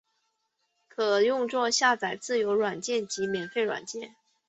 可用作下载自由软件及免费软件。